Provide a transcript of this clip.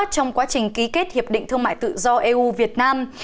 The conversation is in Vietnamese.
trong quá trình ký kết hiệp định thương mại tự do eu việt nam